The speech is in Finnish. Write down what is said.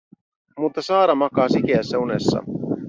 Mutta Saara makaa sikeässä unessa.